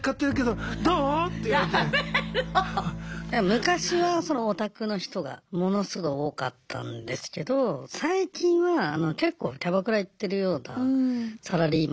昔はそのオタクの人がものすごい多かったんですけど最近は結構キャバクラ行ってるようなサラリーマンの方も多いですね今は。